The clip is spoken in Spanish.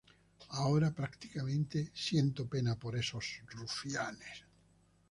Ahora, prácticamente siento pena por esos rufianes.